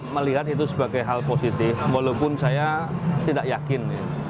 melihat itu sebagai hal positif walaupun saya tidak yakin